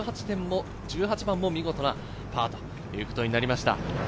１８番も見事なパーということになりました。